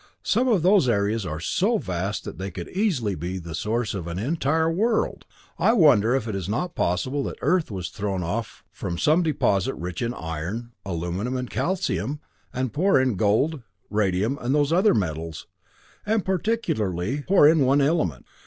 Some of those areas are so vast that they could easily be the source of an entire world! I wonder if it is not possible that Earth was thrown off from some deposit rich in iron, aluminum and calcium, and poor in gold, radium and those other metals and particularly poor in one element.